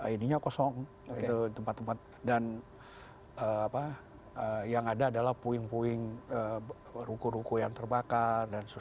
ini kosong dan yang ada adalah puing puing ruku ruku yang terbakar